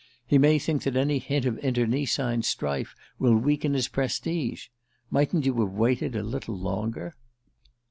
He may think that any hint of internecine strife will weaken his prestige. Mightn't you have waited a little longer?"